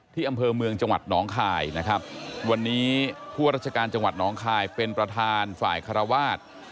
อำเภอเมืองจังหวัดหนองคายนะครับวันนี้ผู้ราชการจังหวัดน้องคายเป็นประธานฝ่ายคารวาส